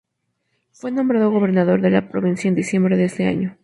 Fue nombrado gobernador de la provincia en diciembre de ese año.